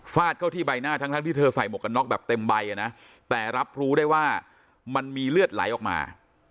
เข้าที่ใบหน้าทั้งที่เธอใส่หมวกกันน็อกแบบเต็มใบนะแต่รับรู้ได้ว่ามันมีเลือดไหลออกมา